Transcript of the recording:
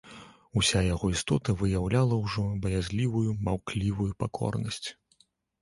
Уся яго істота выяўляла ўжо баязлівую, маўклівую пакорнасць.